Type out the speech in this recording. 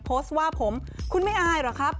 โพสต์ว่าผมคุณไม่อายเหรอครับ